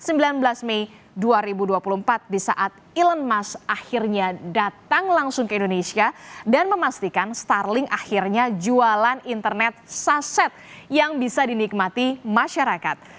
pada sembilan belas mei dua ribu dua puluh empat di saat elon musk akhirnya datang langsung ke indonesia dan memastikan starling akhirnya jualan internet saset yang bisa dinikmati masyarakat